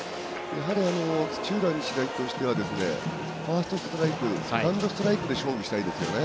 やはり土浦日大としてはファーストストライクセカンドストライクで勝負したいですよね。